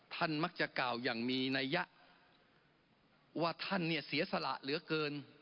ท่านมักจะกล่าวอย่างมีนัยยะว่าท่านเนี่ยเสียสละเหลือเกิน